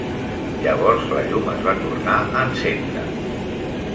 Llavors la llum es va tornar a encendre.